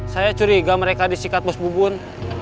saya curiga mereka disikat bus bubun